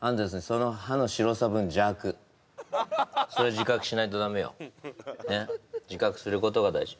その歯の白さ分邪悪それ自覚しないとダメよね自覚することが大事